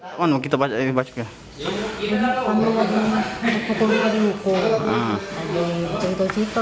lalu langsung mengejar anak aku itu